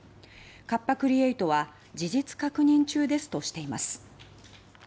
カッパ・クリエイトは事実確認中ですとしています。